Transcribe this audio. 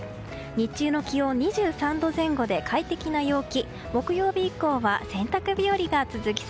日中の気温は２３度前後で快適な陽気。